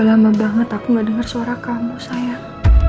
lama banget aku gak dengar suara kamu sayang